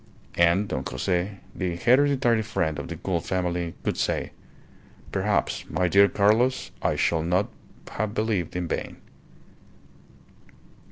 And Don Jose, the hereditary friend of the Gould family, could say: "Perhaps, my dear Carlos, I shall not have believed in vain."